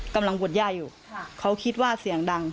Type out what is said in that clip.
กำลังบวชย่าอยู่ค่ะเขาคิดว่าเสียงดัง